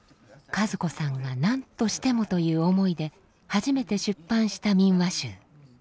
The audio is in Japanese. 和子さんが「何としても」という思いで初めて出版した民話集。